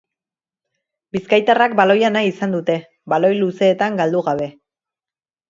Bizkaitarrak baloia nahi izan dute, baloi luzeetan galdu gabe.